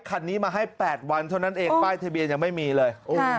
คันนี้มาให้๘วันเท่านั้นเองป้ายทะเบียนยังไม่มีเลย